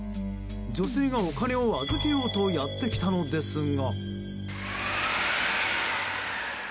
女性がお金を預けようとやってきたのですが。